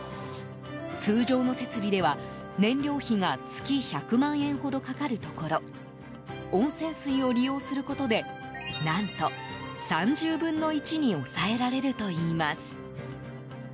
通常の設備では、燃料費が月１００万円ほどかかるところ温泉水を利用することで何と３０分の１に抑えられるといいます。